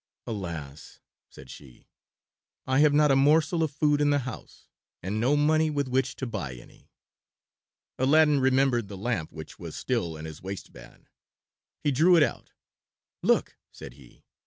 "Alas!" said she, "I have not a morsel of food in the house, and no money with which to buy any." Aladdin remembered the lamp which was still in his waist band. He drew it out. "Look!" said he.